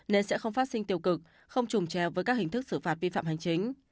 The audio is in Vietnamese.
nên sẽ không phát sinh tiêu cực không trùng trèo với các hình thức xử phạt vi phạm hành chính